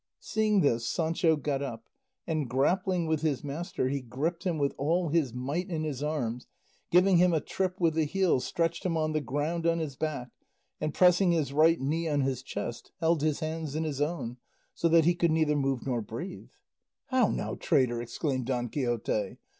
Seeing this Sancho got up, and grappling with his master he gripped him with all his might in his arms, giving him a trip with the heel stretched him on the ground on his back, and pressing his right knee on his chest held his hands in his own so that he could neither move nor breathe. "How now, traitor!" exclaimed Don Quixote.